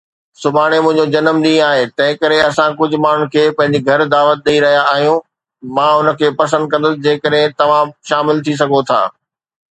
سڀاڻي منهنجو جنم ڏينهن آهي، تنهنڪري اسان ڪجهه ماڻهن کي پنهنجي گهر دعوت ڏئي رهيا آهيون. مان ان کي پسند ڪندس جيڪڏهن توهان شامل ٿي سگهو ٿا.